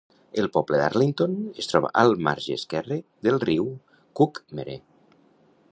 El poble d'Arlington es troba al marge esquerre del riu Cuckmere.